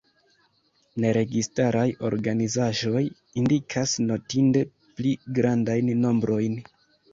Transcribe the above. Neregistaraj organizaĵoj indikas notinde pli grandajn nombrojn.